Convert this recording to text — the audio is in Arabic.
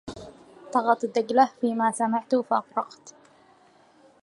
طغت دجلة فيما سمعت فأغرقت